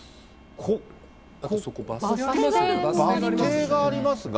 そこ、バス停がありますね。